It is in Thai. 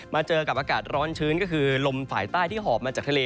เจอกับอากาศร้อนชื้นก็คือลมฝ่ายใต้ที่หอบมาจากทะเล